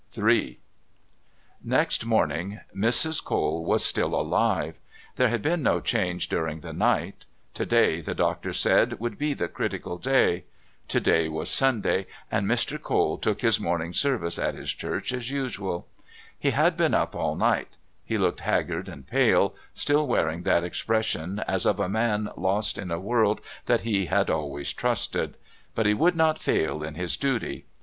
III Next morning Mrs. Cole was still alive. There had been no change during the night; to day, the doctor said, would be the critical day. To day was Sunday, and Mr. Cole took his morning service at his church as usual. He had been up all night; he looked haggard and pale, still wearing that expression as of a man lost in a world that he had always trusted. But he would not fail in his duty.